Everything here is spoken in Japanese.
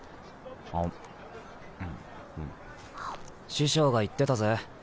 師匠が言ってたぜ。